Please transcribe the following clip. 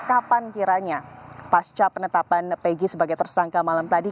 kapan kiranya pasca penetapan peggy sebagai tersangka malam tadi